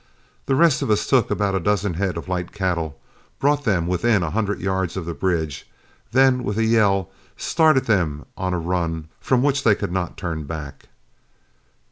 The rest of us took about a dozen head of light cattle, brought them within a hundred yards of the bridge, then with a yell started them on a run from which they could not turn back.